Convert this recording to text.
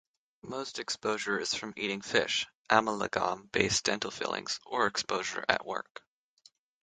Most exposure is from eating fish, amalgam based dental fillings, or exposure at work.